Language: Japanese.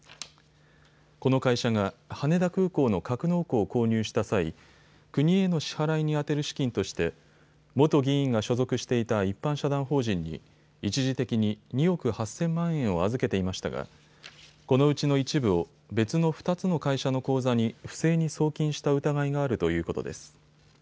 この会社が羽田空港の格納庫を購入した際、国への支払いに充てる資金として元議員が所属していた一般社団法人に一時的に２億８０００万円を預けていましたがこのうちの一部を別の２つの会社の口座に不正に送金した疑いがあるということです。